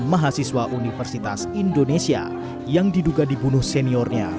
mahasiswa universitas indonesia yang diduga dibunuh seniornya